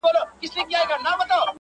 مُلا بیا ویل زه خدای یمه ساتلی -